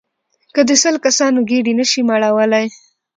که د سل کسانو ګېډې نه شئ مړولای.